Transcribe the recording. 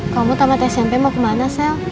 kamu tamat smp mau kemana sel